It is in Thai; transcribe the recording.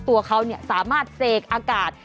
ตัวเขาสามารถเสกอากาศ